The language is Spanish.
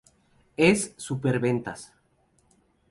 Es superventas.